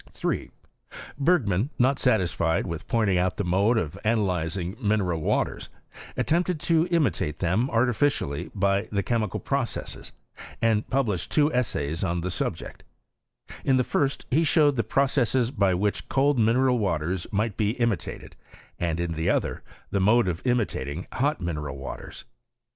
3. Bergman, not satisfied with ptHDting out the mode of anaLyzing mineral waters, attempted to imitate them artificially by chemical processes, and published two essaya on the subject ; in the first he showed the processes by which cold mineral waters might be imitated, and in the other, the mode of imitating' hot mineral waters.